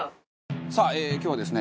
さあ今日はですね